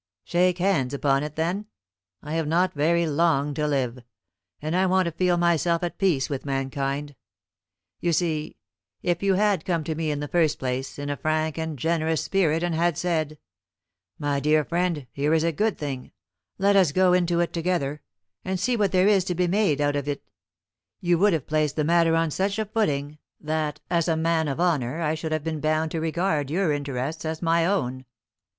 "Shake hands upon it, then. I have not very long to live, and I want to feel myself at peace with mankind. You see, if you had come to me in the first place, in a frank and generous spirit, and had said, 'My dear friend, here is a good thing; let us go into it together, and see what there is to be made out of it,' you would have placed the matter on such a footing that, as a man of honour, I should have been bound to regard your interests as my own.